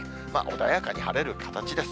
穏やかに晴れる形です。